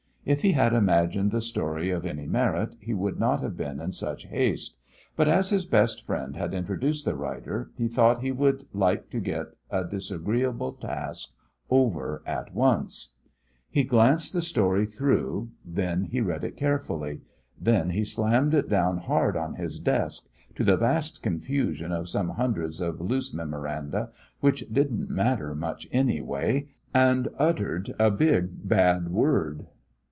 If he had imagined the story of any merit, he would not have been in such haste; but as his best friend had introduced the writer, he thought he would like to get a disagreeable task over at once. He glanced the story through. Then he read it carefully. Then he slammed it down hard on his desk to the vast confusion of some hundreds of loose memoranda, which didn't matter much, anyway and uttered a big, bad word.